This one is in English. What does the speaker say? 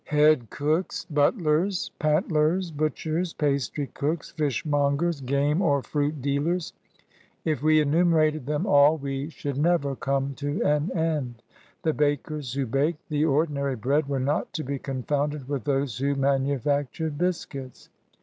Head cooks, butlers, pantlers, butchers, pastrycooks, fishmongers, game or fruit dealers — if we enumerated them all, we should never come to an end. The bakers who baked the ordinary bread were not to be confounded with those who manufactured biscuits.